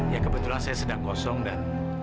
ya kebetulan saya sedang kosong dan